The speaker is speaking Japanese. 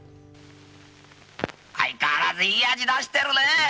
相変わらずいい味出してるね。